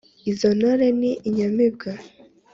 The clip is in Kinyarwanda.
izo ntore ni inyamibwa